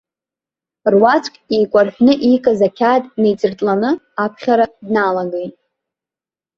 Руаӡәк еикәарҳәны иикыз ақьаад неиҵыртланы аԥхьара дналагеит.